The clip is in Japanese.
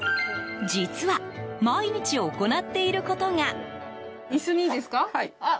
実は毎日、行っていることが。